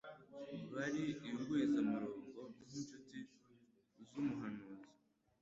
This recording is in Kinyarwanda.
Bari ingwiza murongo. Nk'inshuti z'umuhanuzi,